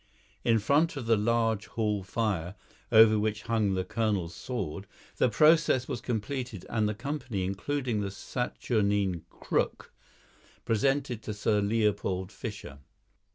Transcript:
In front of the large hall fire, over which hung the colonel's sword, the process was completed and the company, including the saturnine Crook, presented to Sir Leopold Fischer.